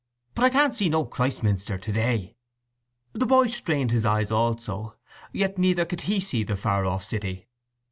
… But I can't see no Christminster to day." The boy strained his eyes also; yet neither could he see the far off city.